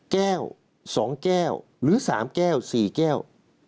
แก้วสองแก้วหรือสามแก้วสี่แก้ว